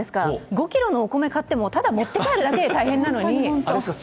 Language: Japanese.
５ｋｇのお米買っても、ただ持って帰るだけでも大変なのに。